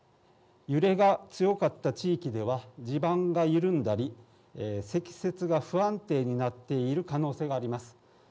揺れが強かった地域では地盤が緩んだり積雪が不安定になっている可能性があります。